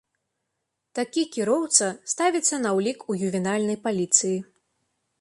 Такі кіроўца ставіцца на ўлік у ювенальнай паліцыі.